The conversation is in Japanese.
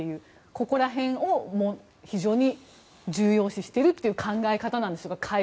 ここら辺を非常に重要視しているという考え方なんでしょうか。